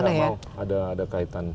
tidak mau ada kaitan